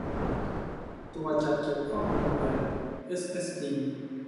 ตัวจัดเก็บข้อมูลแบบเอสเอสดี